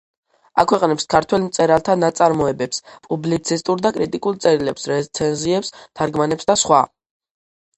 აქვეყნებს ქართველ მწერალთა ნაწარმოებებს, პუბლიცისტურ და კრიტიკულ წერილებს, რეცენზიებს, თარგმანებს და სხვა.